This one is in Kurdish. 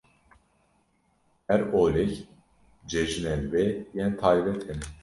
Her olek cejinên wê yên taybet hene.